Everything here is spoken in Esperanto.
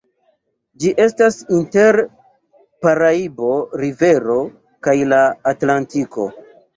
Ĝi estas inter Paraibo-rivero kaj la Atlantiko.